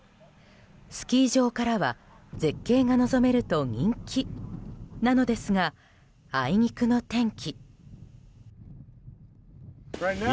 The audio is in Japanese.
スキー場からは絶景が望めると人気なのですがあいにくの天気。